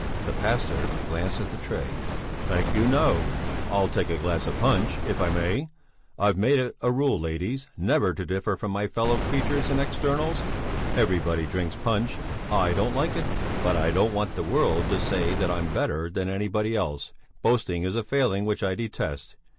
The pastor glanced at the tray. "Thank you, no; I'll take a glass of punch, if I may. I've made it a rule, ladies, never to differ from my fellow creatures in externals. Everybody drinks punch; I don't like it, but I don't want the world to say that I'm better than anybody else; boasting is a failing which I detest.